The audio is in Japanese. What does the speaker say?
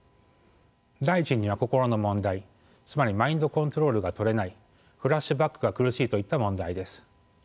第１には「心の問題」つまり「マインドコントロールがとれない」「フラッシュバックが苦しい」といった問題です。